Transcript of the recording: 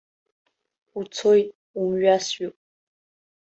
Уцоит, умҩасҩуп.